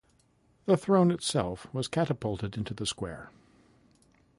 The throne itself was catapulted into the square.